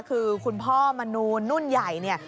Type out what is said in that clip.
คือคุณพ่อมนูนนุ่นใหญ่